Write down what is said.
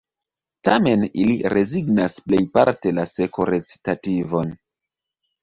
Tamen ili rezignas plejparte la seko-recitativon.